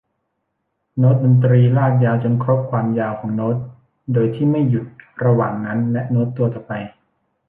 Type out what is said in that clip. โน้ตดนตรีลากยาวจนครบความยาวของโน้ต โดยที่ไม่หยุดระหว่างนั้นและโน้ตตัวต่อไป